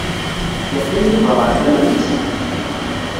Yeqqim Yuba ɣer tama-nnes.